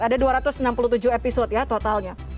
ada dua ratus enam puluh tujuh episode ya totalnya